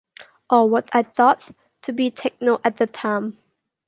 Or what I thought to be techno at the time.